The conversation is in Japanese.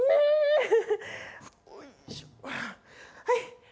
はい。